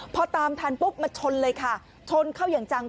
พอตามทันปุ๊บมาชนเลยค่ะชนเข้าอย่างจัง